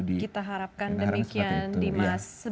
kita harapkan demikian dimas